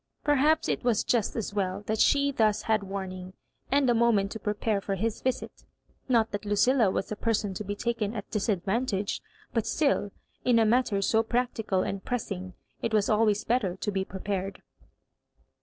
Perhaps it was just as well that she thus had warning and a moment to prepare for his visit— not that Lucilla was a person to be taken at disadvantage ; but still, in a matter so prac tical and pressuig, it was always better to be prepared.